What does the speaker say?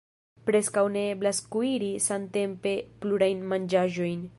Preskaŭ ne eblas kuiri samtempe plurajn manĝaĵojn.